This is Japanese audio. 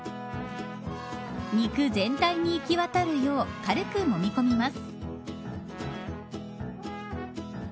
肉全体にいき渡るよう軽く、もみ込みます。